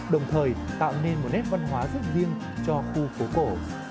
đồng thời tạo nên một nét văn hóa rất riêng cho khu phố cổ